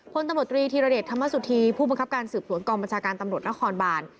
พลตำรวจตรีธีรเดชธรรมสุธีผู้บังคับการสืบสวนกองบัญชาการตำรวจนครบาน